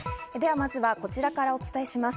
まずはこちらからお伝えします。